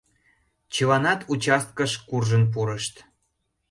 Чыланат участкыш куржын пурышт.